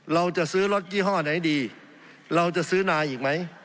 เราจะซื้อรถยี่ห้อไหนดีเราจะซื้อนายอีกไหม